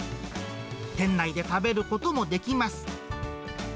店内で食べることもできます。